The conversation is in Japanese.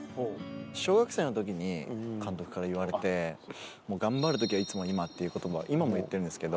小学生のときに監督から言われて、もう頑張るときはいつも今っていうことば、今も言ってるんですけれども。